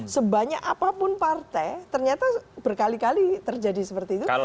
sebanyak apapun partai ternyata berkali kali terjadi seperti itu